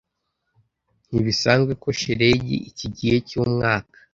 Ntibisanzwe ko shelegi iki gihe cyumwaka.